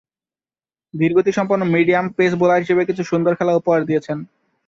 ধীরগতিসম্পন্ন medium pace bowler হিসেবে কিছু সুন্দর খেলা উপহার দিয়েছেন।